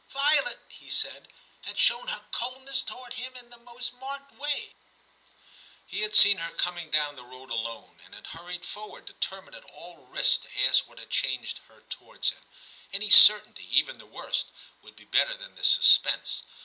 'Violet/ he said, 'had shown her coldness towards him in the most marked way ; he had seen her coming down the road alone, and had hurried forward, determined at all risks to ask what had changed her towards him, — any certainty, even the worst, would be better than this suspense.